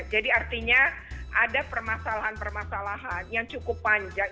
jadi artinya ada permasalahan permasalahan yang cukup panjang